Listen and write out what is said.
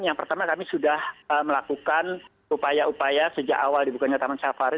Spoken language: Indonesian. yang pertama kami sudah melakukan upaya upaya sejak awal dibukanya taman safari